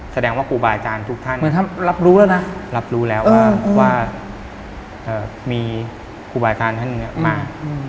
แสดงว่าครูบาอาจารย์ทุกท่านรับรู้แล้วว่ามีครูบาอาจารย์ท่านหนึ่งมา